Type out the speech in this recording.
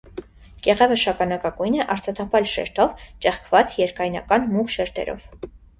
Կեղևը շագանակագույն է, արծաթափայլ շերտով, ճեղքված, երկայնական մուգ շերտերով։